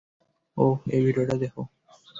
ওহ, এই ভিডিওটা দেখো।